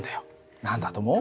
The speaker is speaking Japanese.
何だと思う？